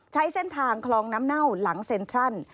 ใช้เส้นทางคลองน้ำเน่าหลังเซ็นทรัล